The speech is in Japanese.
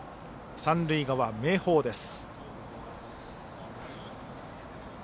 三塁側、明豊です。